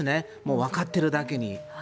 わかっているだけに。